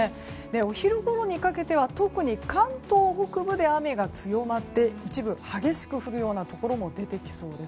お昼ごろにかけては特に関東北部で雨が強まって、一部激しく降るようなところも出てきそうです。